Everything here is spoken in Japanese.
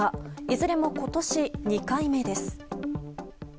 いずれも今年２回目です。